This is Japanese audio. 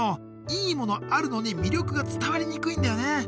いいものあるのに魅力が伝わりにくいんだよね。